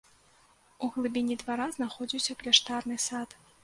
У глыбіні двара знаходзіўся кляштарны сад.